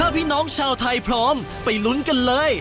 พี่น้องชาวไทยพร้อมไปลุ้นกันเลย